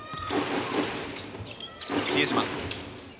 比江島。